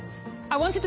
こんにちは。